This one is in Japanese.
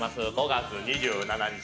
５月２７日